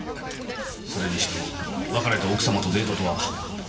それにしても別れた奥様とデートとは羨ましい限りです。